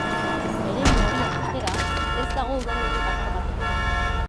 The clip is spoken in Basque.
Eremu horian, ostera, ez dago udalerri bakar bat ere.